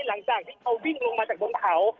หลังจากที่เขาวิ่งลงมาจากบนเขา